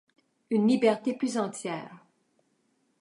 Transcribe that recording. Une liberté plus entière.